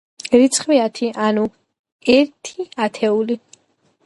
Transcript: რიცხვი ათი, ანუ ერთი ათეული.